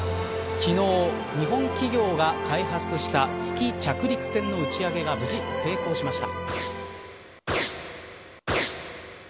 昨日、日本企業が開発した月着陸船の打ち上げが無事成功しました。